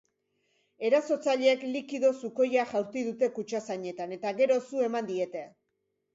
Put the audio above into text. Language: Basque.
Erasotzaileek likido sukoia jaurti dute kutxazainetan eta gero su eman diete.